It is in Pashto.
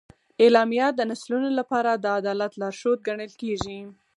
اعلامیه د نسلونو لپاره د عدالت لارښود ګڼل کېږي.